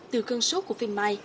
từ cân số của phim mai